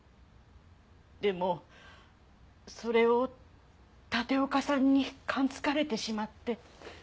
でもそれを立岡さんに感づかれてしまって。